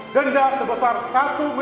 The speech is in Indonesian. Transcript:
denda sebesar satu miliar rupiah